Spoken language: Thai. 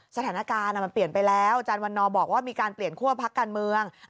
สถานการณ์มันเปลี่ยนไปแล้วอาจารย์วันนอบอกว่ามีการเปลี่ยนคั่วพักการเมือง